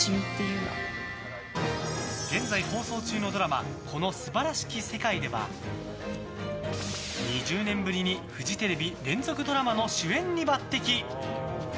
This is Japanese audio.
現在放送中のドラマ「この素晴らしき世界」では２０年ぶりにフジテレビ連続ドラマの主演に抜擢！